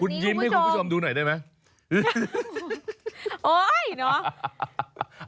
คุณยิ้มให้คุณผู้ชมดูหน่อยได้ไหม